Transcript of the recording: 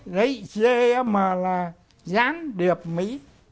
đấy dm là gián điệp mỹ